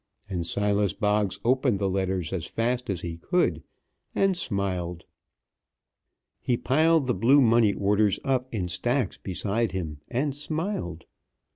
And Silas Boggs opened the letters as fast as he could, and smiled. He piled the blue money orders up in stacks beside him, and smiled.